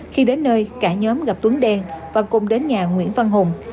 khi đến nơi cả nhóm gặp tuấn đen và cùng đến nhà nguyễn văn hùng